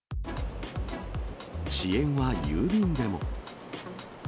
遅延は郵便でも。